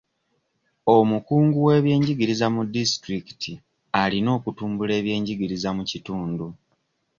Omukungu w'ebyenjigiriza mu disitulikiti alina okutumbula ebyenjigiriza mu kitundu.